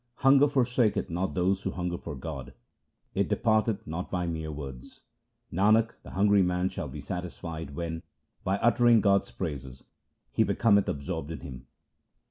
Hunger forsaketh not those who hunger for God ; it departeth not by mere words. 1 Nanak, the hungry man shall be satisfied when, by uttering God's praises, he becometh absorbed in Him.